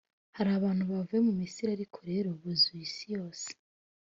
hari abantu bavuye mu misiri ariko rero buzuye isi yose.